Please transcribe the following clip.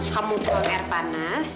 kamu tuang air panas